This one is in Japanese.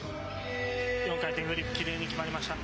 ４回転フリップ、きれいに決まりました。